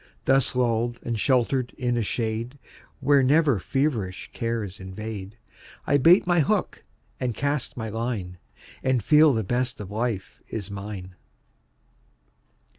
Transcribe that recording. Thus lulled and sheltered in a shade Where never feverish cares invade, I bait my hook and cast my line, And feel the best of life is mine.